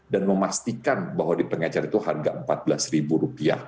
dan memastikan bahwa di pengecar itu harga rp empat belas